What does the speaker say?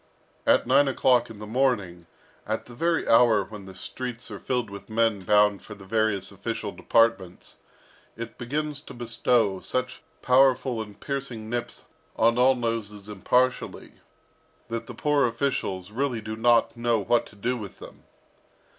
At nine o'clock in the morning, at the very hour when the streets are filled with men bound for the various official departments, it begins to bestow such powerful and piercing nips on all noses impartially, that the poor officials really do not know what to do with them.